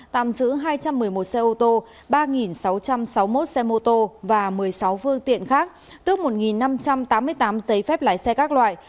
tạm giữ hai trăm một mươi một xe ô tô ba sáu trăm sáu mươi một xe mô tô và một mươi sáu phương tiện khác tức một năm trăm tám mươi tám giấy phép lái xe các loại